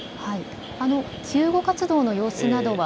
救護活動の様子などは。